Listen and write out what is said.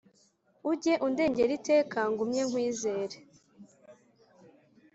Ujye undengera iteka ngumye nkwizere